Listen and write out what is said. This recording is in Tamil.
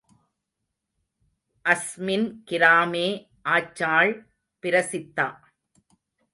அஸ்மின் கிராமே ஆச்சாள் பிரசித்தா.